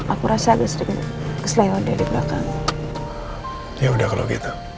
aku rasa agak sedikit keselihatan dari belakang